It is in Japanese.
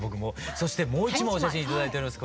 そしてもう一枚お写真頂いております。